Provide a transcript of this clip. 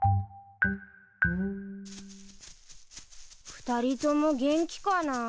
２人とも元気かな？